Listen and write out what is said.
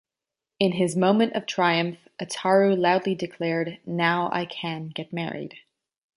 In his moment of triumph, Ataru loudly declared Now I can get married!!